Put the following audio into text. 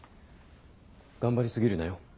頑張り過ぎるなよ。